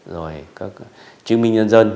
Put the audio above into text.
rồi các chứng minh nhân dân